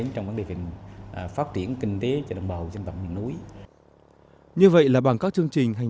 trong vấn đề phát triển kinh tế cho đồng bào dân tộc miền núi như vậy là bằng các chương trình hành